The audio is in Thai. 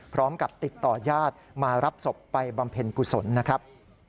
พร้อมกับติดต่อญาติมารับศพไปบำเพ็ญกุศลนะครับ